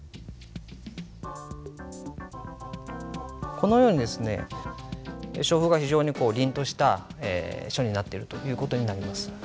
このようにですね書風が非常に凜とした書になっているという事になります。